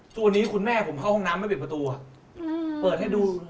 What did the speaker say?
ตอนนี้คุณแม่ผมเข้าห้องน้ำไม่เป็นประตูอ่ะอืมเปิดให้ดู